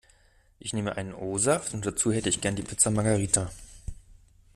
Ich nehme einen O-Saft und dazu hätte ich gerne die Pizza Margherita.